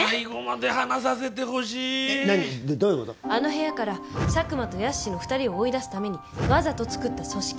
あの部屋から佐久間と泰司の２人を追い出すためにわざとつくった組織。